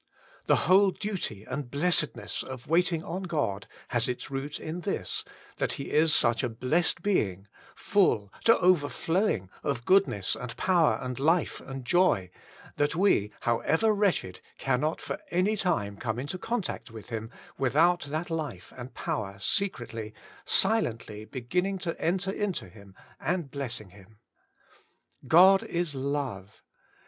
The whole duty and blessedness of waiting on God has its root in this, that He is such a blessed Being, full, to overflowing, of goodness and power and Uf e and joy, that we, however wretched, cannot for any time come into contact with Him, without that life and power secretly, silently beginning to enter into him and blessing him. God is Love!